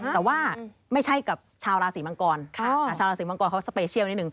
แต่ว่าไม่ใช่กับชาวราศีมังกรชาวราศีมังกรเขาสเปเชียลนิดนึ